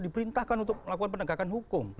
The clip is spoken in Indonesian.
diperintahkan untuk melakukan penegakan hukum